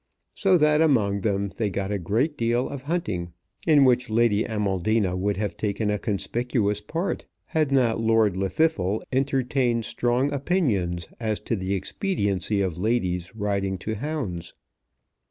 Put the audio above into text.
So that among them they got a great deal of hunting, in which Lady Amaldina would have taken a conspicuous part had not Lord Llwddythlw entertained strong opinions as to the expediency of ladies riding to hounds.